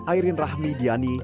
airin rahmi diani